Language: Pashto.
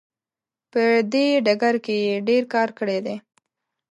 په دې ډګر کې یې ډیر کار کړی دی.